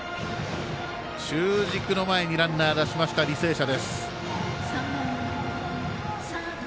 中軸の前にランナーを出した履正社。